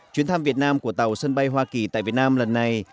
chuyến thăm việt nam của tàu sân bay hoa kỳ tại việt nam lần này